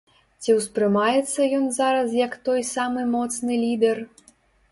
Ці ўспрымаецца ён зараз як той самы моцны лідэр?